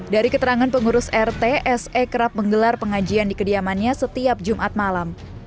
dari keterangan pengurus rt se kerap menggelar pengajian di kediamannya setiap jumat malam